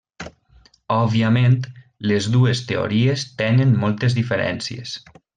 Òbviament, les dues teories tenen moltes diferències.